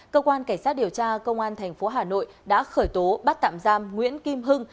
cơ quan cảnh sát điều tra công an tp hà nội đã khởi tố bắt tạm giam nguyễn kim hưng